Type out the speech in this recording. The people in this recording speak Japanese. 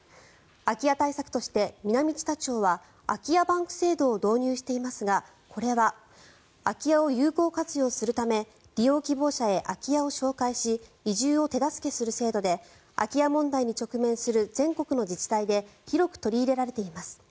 空き家対策として南知多町は空き家バンク制度を導入していますがこれは空き家を有効活用するため利用希望者へ空き家を紹介し移住を手助けする制度で空き家問題に直面する全国の自治体で広く取り入れられています。